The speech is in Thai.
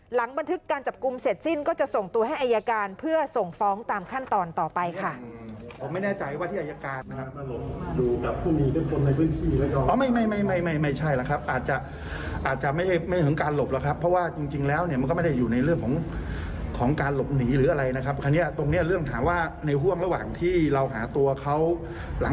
หลังบันทึกการจับกลุ่มเสร็จสิ้นก็จะส่งตัวให้อายการเพื่อส่งฟ้องตามขั้นตอนต่อไปค่ะ